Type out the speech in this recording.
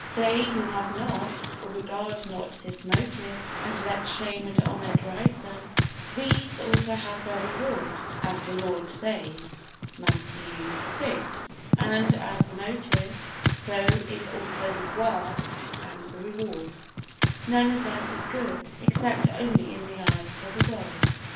They who have not, or regard not this motive, and let shame and honor drive them, these also have their reward, as the Lord says, Matthew vi; and as the motive, so is also the work and the reward: none of them is good, except only in the eyes of the world.